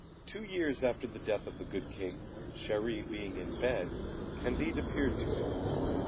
Two years after the death of the good King, Chéri being in bed, Candid appeared to him.